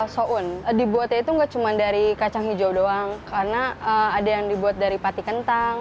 soun dibuatnya itu nggak cuma dari kacang hijau doang karena ada yang dibuat dari pati kentang